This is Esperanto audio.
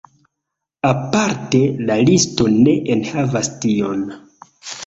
Aparte la listo ne enhavas tion.